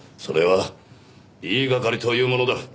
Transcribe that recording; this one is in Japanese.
それは言いがかりというものだ。